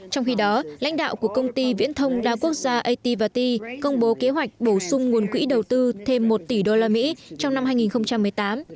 trong khi đó lãnh đạo của công ty viễn thông đa quốc gia at t công bố kế hoạch bổ sung nguồn quỹ đầu tư thêm một tỷ đô la mỹ trong năm hai nghìn một mươi tám